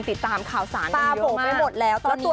ติดตามข่าวสารกันเยอะมากตาโบไปหมดแล้วตอนนี้